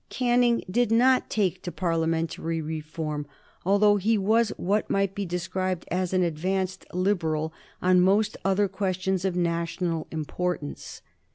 Canning did not take to Parliamentary reform, although he was what might be described as an advanced Liberal on most other questions of national importance.